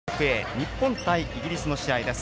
日本対イギリスの試合です。